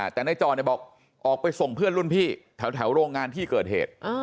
แต่นายจรบอกออกไปส่งเพื่อนรุ่นพี่แถวโรงงานที่เกิดเหตุ